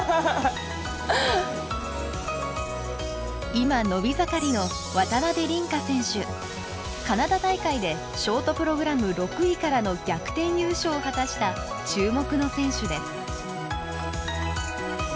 今伸び盛りのカナダ大会でショートプログラム６位からの逆転優勝を果たした注目の選手です。